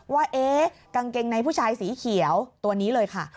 ว่ากางเกงในผู้ชายสีเขียวตัวนี้เลยค่ะ